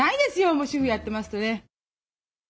もう主婦やってますとね。